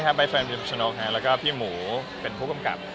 ใช่ครับบ๊ายเฟิร์นพิมชนกและพี่หมูเป็นผู้กำกับ